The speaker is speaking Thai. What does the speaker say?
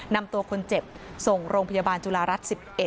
นำตัวคนเจ็บส่งโรงพยาบาลจุฬารัฐ๑๑